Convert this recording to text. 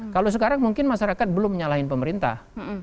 kalau sekarang mungkin masyarakat belum menyalahin pemerintah